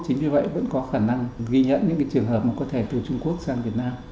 chính vì vậy vẫn có khả năng ghi nhận những trường hợp có thể từ trung quốc sang việt nam